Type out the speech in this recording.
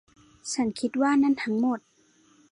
ฉันคิดว่านั้นทั้งหมด